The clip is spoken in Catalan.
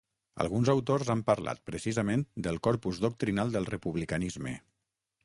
Alguns autors han parlat, precisament, del corpus doctrinal del republicanisme.